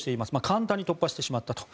簡単に突破してしまったと。